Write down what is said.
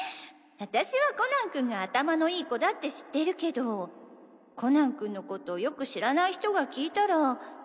私はコナン君が頭のいい子だって知ってるけどコナン君のことよく知らない人が聞いたら。